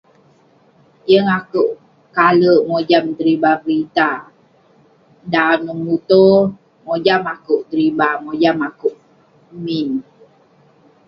Yeng akouk kalek mojam deriba kerita, dan neh muto mojam akouk deriba, mojam akouk min.